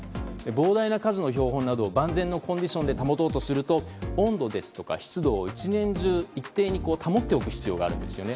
膨大な数の標本などを万全のコンディションで保とうとすると温度ですとか湿度を１年中、一定に保っておく必要があるんですよね。